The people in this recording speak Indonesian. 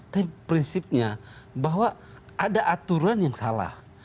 tapi prinsipnya bahwa ada aturan yang salah